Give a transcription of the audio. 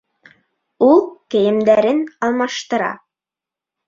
Ул кейемдәрен алмаштыра.